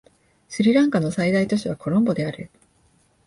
スリランカの最大都市はコロンボである